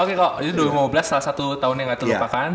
oke kok itu dua ribu lima belas salah satu tahun yang gak terlupakan